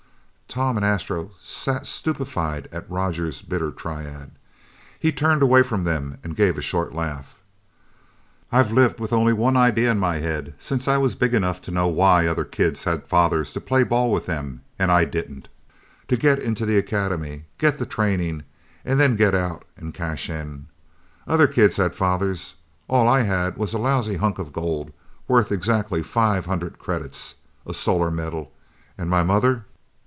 Tom and Astro sat stupefied at Roger's bitter tirade. He turned away from them and gave a short laugh. "I've lived with only one idea in my head since I was big enough to know why other kids had fathers to play ball with them and I didn't. To get into the Academy, get the training and then get out and cash in! Other kids had fathers. All I had was a lousy hunk of gold, worth exactly five hundred credits! A Solar Medal. And my mother!